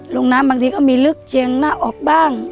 ลงน้ำบางทีก็มีลึกเจียงหน้าออกบ้าง